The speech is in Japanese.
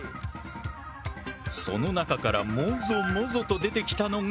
その中からもぞもぞと出てきたのが針。